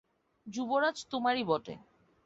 যুবরাজ তোমারই বটে।